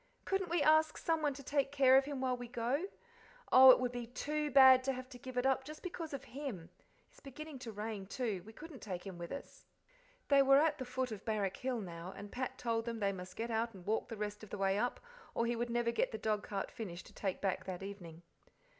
Couldn't we ask someone to take care of him while we go? Oh, it would be TOO bad to have to give it up just because of him. It's beginning to rain, too; we couldn't take him with us." They were at the foot of Barrack Hill now, and Pat told them they must get out and walk the rest of the way up, or he would never get the dogcart finished to take back that evening.